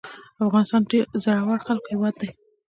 افغانستان د زړورو خلکو هیواد دی